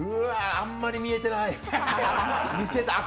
あんまり見えてない。